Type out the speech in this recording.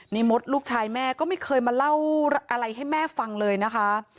มดลูกชายแม่ก็ไม่เคยมาเล่าอะไรให้แม่ฟังเลยนะคะ